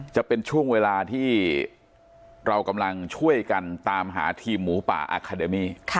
จะเป็นช่วงเวลาที่เรากำลังช่วยกันตามหาทีมหมูป่าอาคาเดมี่